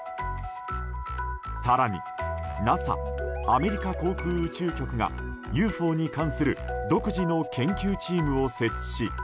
更にＮＡＳＡ・アメリカ航空宇宙局がＵＦＯに関する独自の研究チームを設置し当